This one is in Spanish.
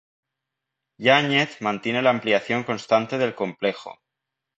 Yáñez mantiene la ampliación constante del complejo.